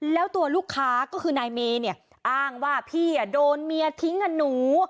แล้วตัวลูกค้าก็คือนายเมเนี่ยอ้างว่าพี่โดนเมียทิ้งกับหนู